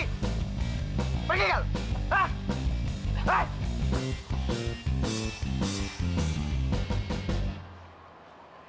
pergi gak lu